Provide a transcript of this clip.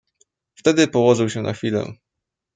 "Wtedy położył się na chwilę."